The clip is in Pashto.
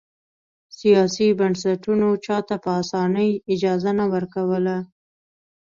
سیاسي بنسټونو چا ته په اسانۍ اجازه نه ورکوله.